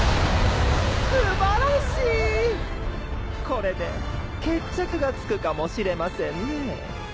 これで決着がつくかもしれませんね。